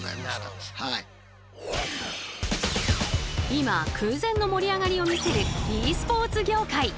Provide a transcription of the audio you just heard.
今空前の盛り上がりを見せるｅスポーツ業界。